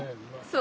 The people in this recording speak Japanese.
そう。